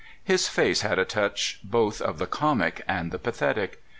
His face had a touch both of the comic and the pathetic.